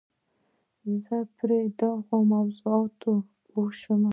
زه پر دغو موضوعاتو پوه شوم.